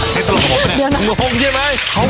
หงวงใช่ไหม